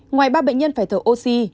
ngoài ba bệnh nhân phải thở oxy